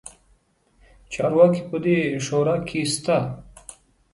چارواکي په دې شورا کې شته.